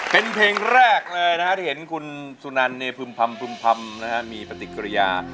เป็นเพลงแรกเลยนะเห็นคุณสุนันเนี่ยพึ่มพรรมพึ่มพรรมนะมีปฏิกิริยา